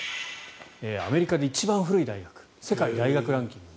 アメリカで一番古い大学世界大学ランキング